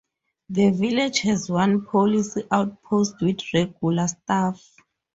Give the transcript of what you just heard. The village has one police outpost with regular staff.